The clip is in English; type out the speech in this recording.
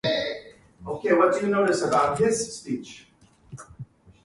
The soccer program was run for many years by head coach Dennis Sayer.